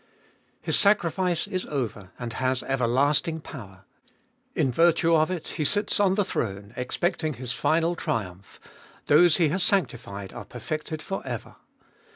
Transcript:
His sacrifice is over, and has everlasting power ; in virtue of it He sits on the throne, expecting His final triumph ; those He has sanctified are perfected for ever.